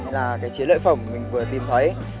là cái chiếc lợi phẩm mình vừa tìm thấy